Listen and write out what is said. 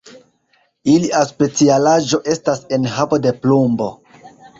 Ilia specialaĵo estas enhavo de plumbo.